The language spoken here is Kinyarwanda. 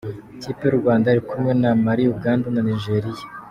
Ikipe y’u Rwanda iri kumwe na Mali, Uganda na Nigeria.